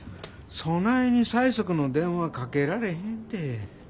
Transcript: そないに催促の電話かけられへんて。